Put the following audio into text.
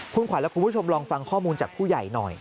คุณขวัญและคุณผู้ชมลองฟังข้อมูลจากผู้ใหญ่หน่อย